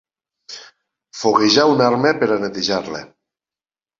Foguejar una arma per a netejar-la.